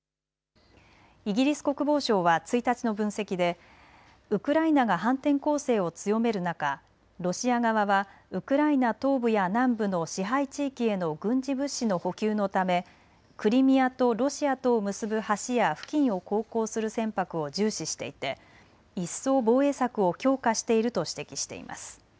イギリス国防省は１日の分析でウクライナが反転攻勢を強める中、ロシア側はウクライナ東部や南部の支配地域への軍事物資の補給のためクリミアとロシアとを結ぶ橋や付近を航行する船舶を重視していて一層、防衛策を強化していると指摘しています。